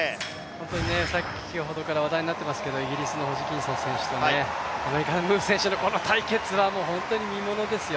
本当に先ほどから話題になっていますけれども、イギリスのホジキンソン選手とアメリカのムー選手の対決は本当に見ものですよ。